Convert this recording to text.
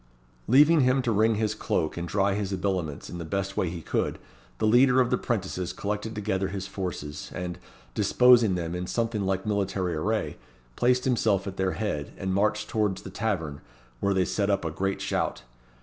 Leaving him to wring his cloak and dry his habiliments in the best way he could, the leader of the 'prentices collected together his forces, and, disposing them in something like military array, placed himself at their head, and marched towards the tavern, where they set up a great shout.